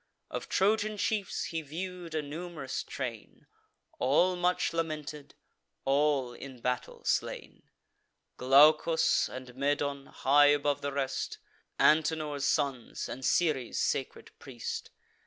Of Trojan chiefs he view'd a num'rous train, All much lamented, all in battle slain; Glaucus and Medon, high above the rest, Antenor's sons, and Ceres' sacred priest.